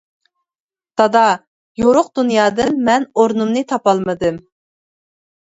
دادا، يورۇق دۇنيادىن مەن ئورنۇمنى تاپالمىدىم.